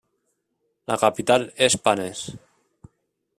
La capital és Panes.